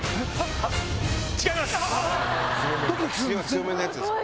強めのやつですね。